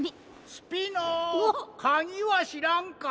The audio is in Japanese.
・スピノかぎはしらんか？